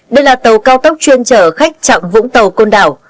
đây là tàu cao tốc chuyên trở khách chặng vũng tàu côn đảo